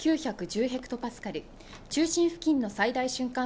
ヘクトパスカル中心付近の最大瞬間